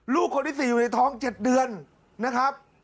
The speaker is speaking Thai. ลูกคนที่๔อยู่ในท้อง๗เดือนนะครับ